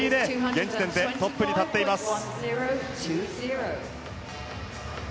現時点でトップに立っています。